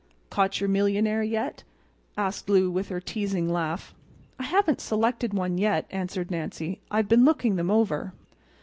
"Caught your millionaire yet?" asked Lou with her teasing laugh. "I haven't selected one yet," answered Nancy. "I've been looking them over."